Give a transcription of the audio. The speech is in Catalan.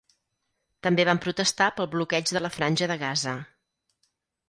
També van protestar pel bloqueig de la Franja de Gaza.